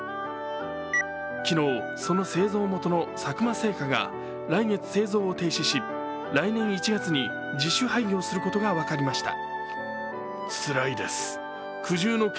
昨日、その製造元の佐久間製菓が来月製造を停止し来年１月に自主廃業することが分かりました。